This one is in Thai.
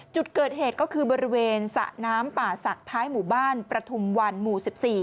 จุดเกิดเหตุก็คือบริเวณสระน้ำป่าศักดิ์ท้ายหมู่บ้านประทุมวันหมู่๑๔